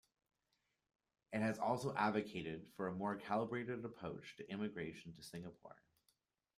It has also advocated for a more calibrated approach to immigration to Singapore.